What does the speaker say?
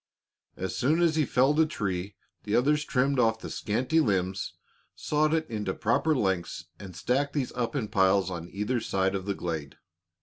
As soon as he felled a tree the others trimmed off the scanty limbs, sawed it into proper lengths, and stacked these up in piles on either side of the glade.